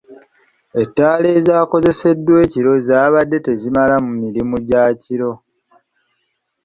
Ettaala ezaakozeseddwa ekiro zaabadde tezimala ku mirimu gy'ekiro.